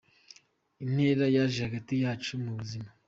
Intera yaje hagati yacu mu buzima.